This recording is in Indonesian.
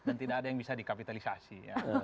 dan tidak ada yang bisa dikapitalisasi